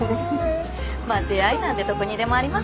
まあ出会いなんてどこにでもありますけどね。